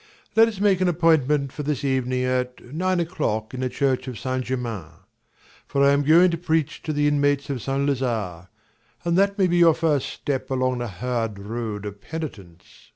Let us make an appointment for this evening at nine o'clock in the Church of St. Germain. For I am going to preach to the inmates of St. Lazare, and that may be your first step along the hard road of penitence. MAURICE.